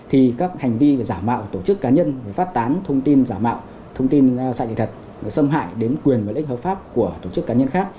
thì các hành vi giả mạo tổ chức cá nhân phát tán thông tin giả mạo thông tin sai sự thật xâm hại đến quyền và lợi ích hợp pháp của tổ chức cá nhân khác